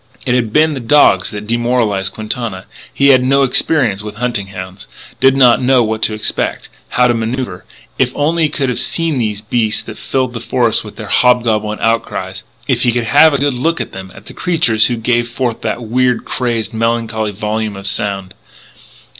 It had been the dogs that demoralised Quintana. He'd had no experience with hunting hounds, did not know what to expect, how to manoeuvre. If only he could have seen these beasts that filled the forest with their hob goblin outcries if he could have had a good look at the creatures who gave forth that weird, crazed, melancholy volume of sound!